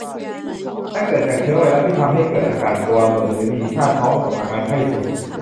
และเกิดจากเชื้อไวรัส ที่ทำให้เกิดอาการตัวเหลืองหรือดีซ่าน ร่วมกับอาการไข้สูง